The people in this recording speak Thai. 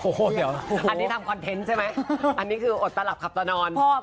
อันนี้ทำคอนเทนต์ใช่ไหมอันนี้คืออดตาหลับคับตานอน